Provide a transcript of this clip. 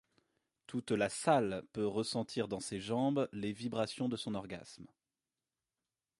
Toute la salle peut ressentir dans ses jambes les vibrations de son orgasme.